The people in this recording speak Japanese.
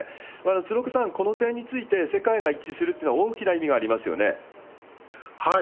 鶴岡さん、この点について世界が一致するっていうのは、大きな意味がありまはい。